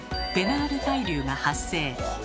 ナール対流が発生。